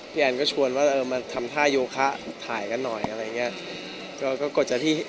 แอนก็ชวนว่าเออมาทำท่าโยคะถ่ายกันหน่อยอะไรอย่างเงี้ย